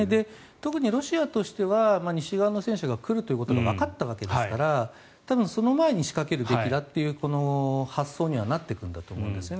特にロシアとしては西側の戦車が来るということがわかったわけですから多分、その前に仕掛けるべきだという発想にはなってくるんだと思うんですね。